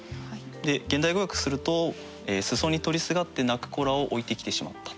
現代語訳すると裾に取りすがって泣く子らを置いてきてしまった。